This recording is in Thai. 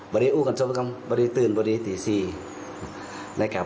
บอกว่บาทู้ขันส์ซาปะดำพอ๔๕๐๔